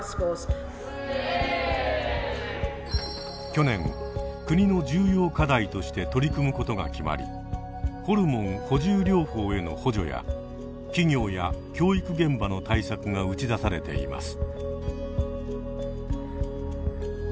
去年国の重要課題として取り組むことが決まりホルモン補充療法への補助や企業や教育現場の対策が打ち出されています。